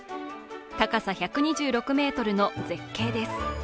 高さ１２６ｍの絶景です。